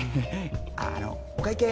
ああのお会計。